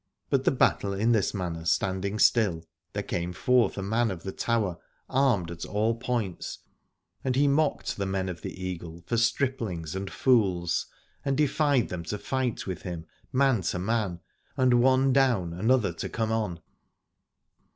But the battle in this manner standing still, there came forth a man of the Tower armed at all points, and he mocked the men of the Eagle for striplings and fools, and defied them to fight with him, man to man and one down another to come on.